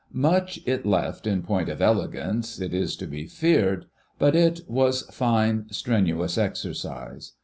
Much it left in point of elegance, it is to be feared, but it was fine strenuous exercise.